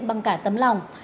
bằng cả tấm lòng